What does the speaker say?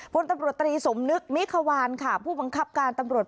พลตำรวจตรีสมนึกมิควานค่ะผู้บังคับการตำรวจ